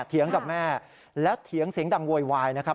เถียงกับแม่แล้วเถียงเสียงดังโวยวายนะครับ